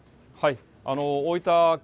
大分県